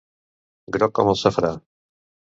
Groc com el safrà.